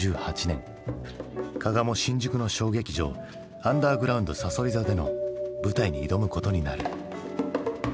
加賀も新宿の小劇場「アンダーグラウンド蠍座」での舞台に挑むことになる。